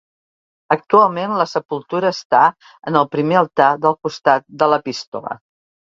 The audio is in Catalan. Actualment la sepultura està en el primer altar del costat de l'Epístola.